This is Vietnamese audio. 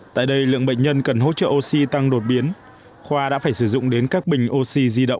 tại đây lượng bệnh nhân cần hỗ trợ oxy tăng đột biến khoa đã phải sử dụng đến các bình oxy di động